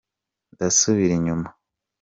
ndasubira inyuma.